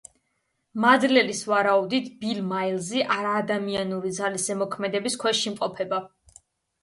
მალდერის ვარაუდით, ბილი მაილზი არაადამიანური ძალის ზემოქმედების ქვეშ იმყოფება.